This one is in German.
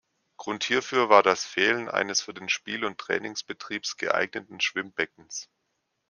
Grund hierfür war das Fehlen eines für den Spiel- und Trainingsbetrieb geeigneten Schwimmbeckens.